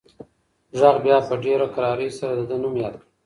غږ بیا په ډېره کرارۍ سره د ده نوم یاد کړ.